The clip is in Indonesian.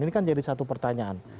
ini kan jadi satu pertanyaan